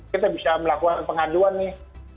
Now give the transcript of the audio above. kita bisa melakukan pengaduan nih